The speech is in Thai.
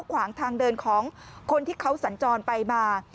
ขวางทางเดินของคนที่เขาสัญจรไปมา